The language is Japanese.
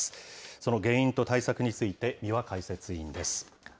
その原因と対策について、三輪解説委員です。